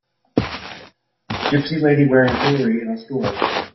gypsy lady wearing jewelery in a store.